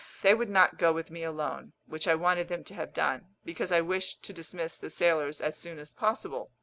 They would not go with me alone, which I wanted them to have done, because I wished to dismiss the sailors as soon as possible.